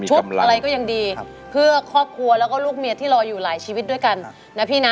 ชุบอะไรก็อย่างดีเพื่อครอบครัวและลูกเมียที่รออยู่หลายชีวิตด้วยกัน